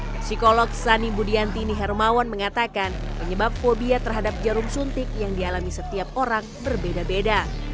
psikolog sani budiantini hermawan mengatakan penyebab fobia terhadap jarum suntik yang dialami setiap orang berbeda beda